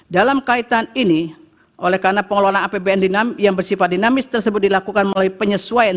dalam kaitan ini oleh karena pengelolaan apbn yang bersifat dinamis tersebut dilakukan melalui penyesuaian